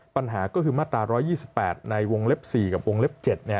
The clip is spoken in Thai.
ปัญหาก็คือมาตรา๑๒๘ในวงเล็บ๔กับวงเล็บ๗